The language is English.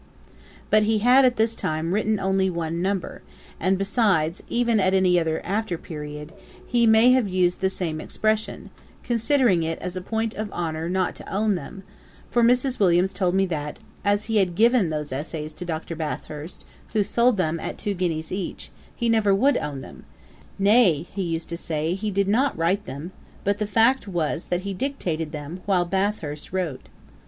But he had, at this time, written only one number; and besides, even at any after period, he might have used the same expression, considering it as a point of honour not to own them; for Mrs. Williams told me that, 'as he had given those Essays to Dr. Bathurst, who sold them at two guineas each, he never would own them; nay, he used to say he did not write them: but the fact was, that he dictated them, while Bathurst wrote.'